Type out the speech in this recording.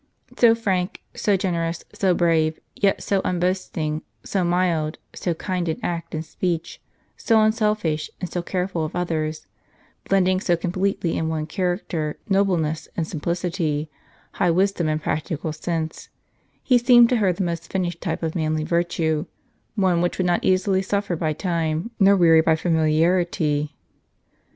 So frank, so generous, so brave, yet so unboast ing ; so mild, so kind in act and speech, so unselfish and so careful of others, blending so completely in one character nobleness and simplicity, high wisdom and practical sense, he seemed to her the most finished type of manly virtue, one which would not easily suffer by time, nor weary by familiarity.